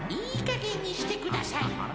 いいかげんにしてください。